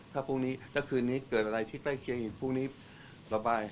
ถ้าพรุ่งนี้แล้วคืนนี้เกิดอะไรที่ใกล้เคียงอีกพรุ่งนี้ระบาย